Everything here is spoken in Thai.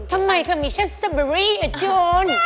ทำไมเธอมีชาติสตอบบอรี่จูน